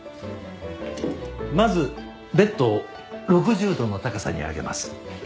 まずベッドを６０度の高さに上げます。